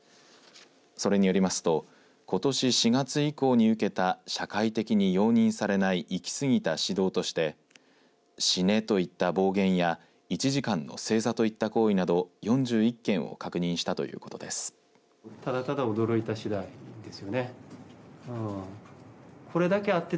それによりますとことし４月以降に受けた社会的に容認されない行き過ぎた指導として死ねといった暴言や１時間の正座といった行為など４１件を確認したということです。